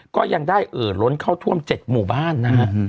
ก็ยังได้เอ่อล้นเข้าท่วม๗หมู่บ้านนะฮะ